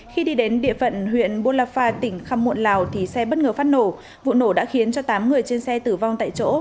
khi đi đến địa phận huyện bô la pha tỉnh khăm muộn lào thì xe bất ngờ phát nổ vụ nổ đã khiến cho tám người trên xe tử vong tại chỗ